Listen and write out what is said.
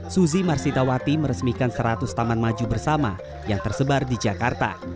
suzy marsitawati meresmikan seratus taman maju bersama yang tersebar di jakarta